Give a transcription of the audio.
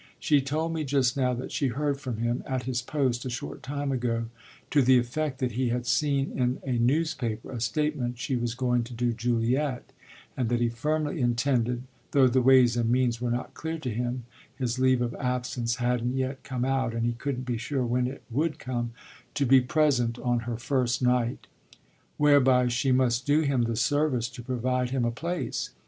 She told me just now that she heard from him, at his post, a short time ago, to the effect that he had seen in a newspaper a statement she was going to do Juliet and that he firmly intended, though the ways and means were not clear to him his leave of absence hadn't yet come out and he couldn't be sure when it would come to be present on her first night; whereby she must do him the service to provide him a place.